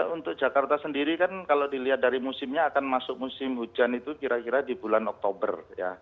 untuk jakarta sendiri kan kalau dilihat dari musimnya akan masuk musim hujan itu kira kira di bulan oktober ya